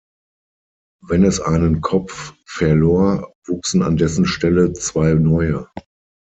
Wenn es einen Kopf verlor, wuchsen an dessen Stelle zwei neue.